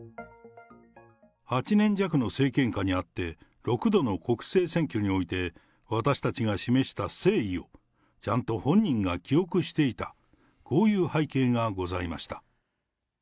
８年弱の政権下にあって、６度の国政選挙において、私たちが示した誠意を、ちゃんと本人が記憶していた、こういう背景がございました。